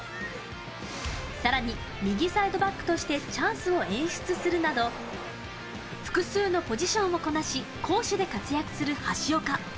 さらに右サイドバックとしてチャンスを演出するなど、複数のポジションをこなし、攻守で活躍する橋岡。